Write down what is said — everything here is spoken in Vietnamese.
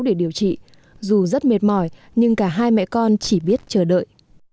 để điều trị dù rất mệt mỏi nhưng cả hai mẹ con chỉ biết chờ đợi